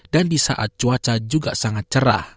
dan di saat cuaca juga sangat cerah